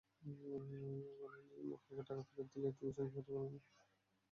কোনো আইনজীবী মক্কেলকে টাকা ফেরত দিলে তিনি জঙ্গি হতে পারেন না।